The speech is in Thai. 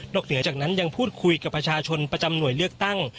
เหนือจากนั้นยังพูดคุยกับประชาชนประจำหน่วยเลือกตั้ง